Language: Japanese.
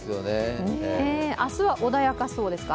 明日は穏やかそうですか？